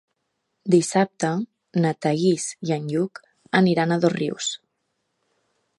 Dissabte na Thaís i en Lluc aniran a Dosrius.